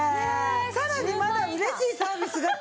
さらにまだ「うれしいサービスが！」ってあるよ。